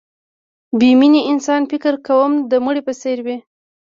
بې مینې انسان فکر کوم د مړي په څېر وي